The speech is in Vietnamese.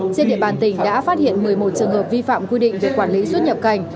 trên địa bàn tỉnh đã phát hiện một mươi một trường hợp vi phạm quy định về quản lý xuất nhập cảnh